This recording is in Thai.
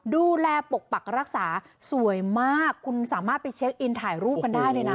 ดูแลปกปักรักษาสวยมากคุณสามารถไปเช็คอินถ่ายรูปกันได้เลยนะ